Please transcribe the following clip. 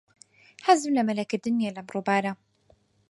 حەزم لە مەلەکردن نییە لەم ڕووبارە.